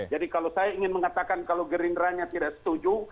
jadi kalau saya ingin mengatakan kalau gerindranya tidak setuju